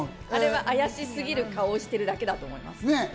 あれは怪しすぎる顔をしているだけだと思います。